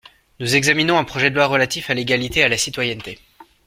Nous examinons un projet de loi relatif à l’égalité et à la citoyenneté.